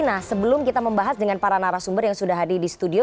nah sebelum kita membahas dengan para narasumber yang sudah hadir di studio